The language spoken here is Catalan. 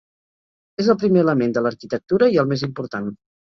És el primer element de l'arquitectura i el més important.